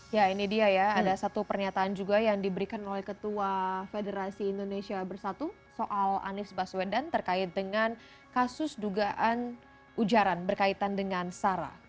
ya ini dia ya ada satu pernyataan juga yang diberikan oleh ketua federasi indonesia bersatu soal anies baswedan terkait dengan kasus dugaan ujaran berkaitan dengan sarah